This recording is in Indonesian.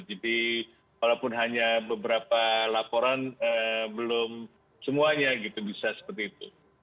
jadi walaupun hanya beberapa laporan belum semuanya bisa seperti itu